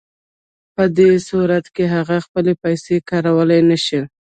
په دې صورت کې هغه خپلې پیسې کارولی نشي